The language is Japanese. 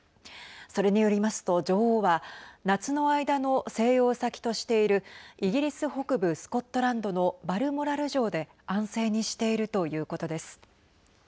それによりますと、女王は夏の間の静養先としているイギリス北部スコットランドのバルモラル城で安静にしているということです。